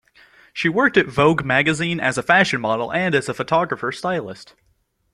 She worked at "Vogue" magazine as a fashion model, and as a photographer's stylist.